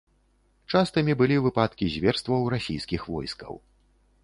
Частымі былі выпадкі зверстваў расійскіх войскаў.